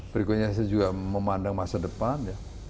berikutnya saya juga memandang masa depan